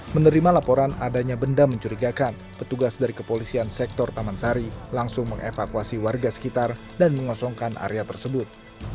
menerima laporan adanya benda mencurigakan petugas dari kepolisian sektor taman sari langsung mengevakuasi warga sekitar dan mengosongkan area tersebut